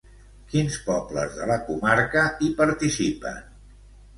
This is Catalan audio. Quins pobles de la comarca hi participen?